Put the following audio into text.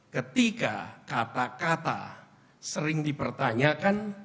ketika kata kata sering dipertanyakan